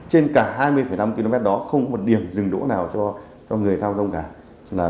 trên cả hai mươi năm km đó không có một điểm dừng đỗ nào cho người thao dông cả